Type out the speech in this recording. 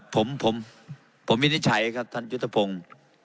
ผมผมผมวินิจฉัยครับท่านจุฏภงษ์